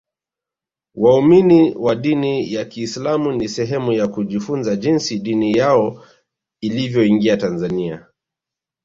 waumini wa dini ya kiislamu ni sehemu ya kujifunza jinsi dini yao ilivyoingia tanzania